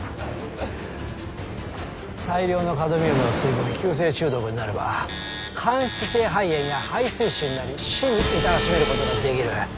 大量のカドミウムを吸い込み急性中毒になれば間質性肺炎や肺水腫になり死に至らしめることができる。